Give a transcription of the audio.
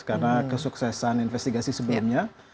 karena kesuksesan investigasi sebelumnya